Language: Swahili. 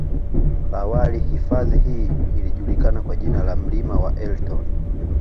Awali hifadhi hii ilijulikana kwa jina la mlima wa elton